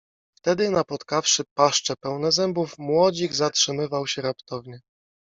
Wtedy, napotkawszy paszcze pełne zębów, młodzik zatrzymywał się raptownie